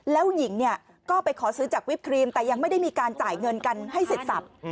แล้วหญิงเนี่ยก็ไปขอซื้อจากวิปครีมแต่ยังไม่ได้มีการจ่ายเงินกันให้เสร็จสับ